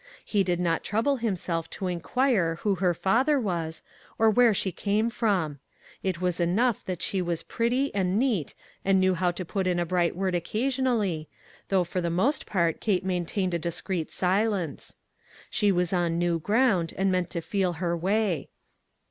He did not trouble himself to inquire who her father was, or where she came from. It was enough that she was pretty and neat and knew how to put in a bright word occa sionally, though for the most part Kate maintained a discreet silence. She was on new ground and meant to feel her way.